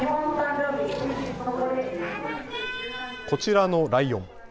こちらのライオン。